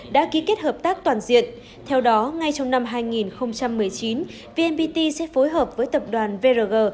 đã ký kết hợp tác toàn diện theo đó ngay trong năm hai nghìn một mươi chín vnpt sẽ phối hợp với tập đoàn vrg